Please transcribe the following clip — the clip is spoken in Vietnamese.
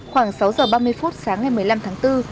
khoảng sáu giờ ba mươi phút sáng ngày một mươi năm tháng bốn